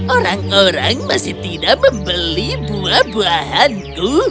orang orang masih tidak membeli buah buahanku